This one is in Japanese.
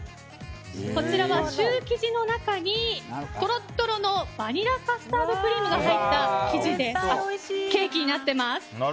こちらはシュー生地の中にとろっとろのバニラカスタードクリームが入ったケーキになってます。